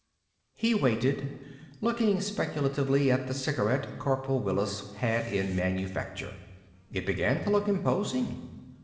He waited, looking speculatively at the cigarette Corporal Wallis had in manufacture. It began to look imposing.